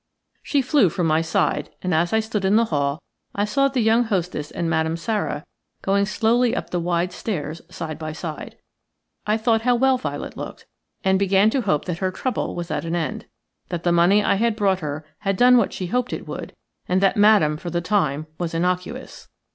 She flew from my side, and as I stood in the hall I saw the young hostess and Madame Sara going slowly up the wide stairs side by side. I thought how well Violet looked, and began to hope that her trouble was at an end – that the money I had brought her had done what she hoped it would, and that Madame for the time was innocuous.